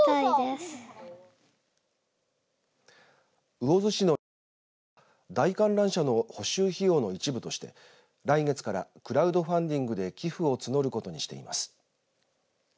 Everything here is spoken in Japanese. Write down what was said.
魚津市の遊園地は大観覧車の補修費用の一部として来月からクラウドファンディングで寄付を募ることにしています。